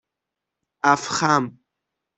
اَفخم